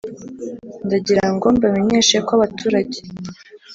Ndagirango ngo mbamenyeshe ko abaturage